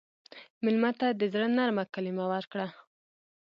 مېلمه ته د زړه نرمه کلمه ورکړه.